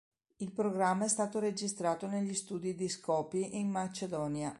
Il programma è stato registrato negli studi di Skopje in Macedonia.